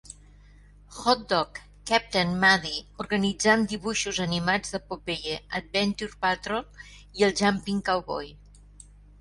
"Hot Dog", "Captain Muddy" organitzant dibuixos animats de "Popeye", "Adventure Patrol" i el "Jumping Cowboy".